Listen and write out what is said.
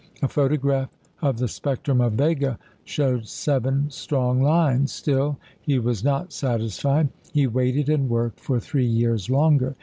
A photograph of the spectrum of Vega showed seven strong lines. Still he was not satisfied. He waited and worked for three years longer.